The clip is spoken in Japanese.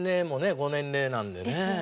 ご年齢なんでね。